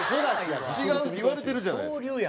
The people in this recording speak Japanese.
違うって言われてるじゃないですか。